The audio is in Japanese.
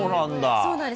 そうなんです。